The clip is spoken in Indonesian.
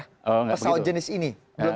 pesawat jenis ini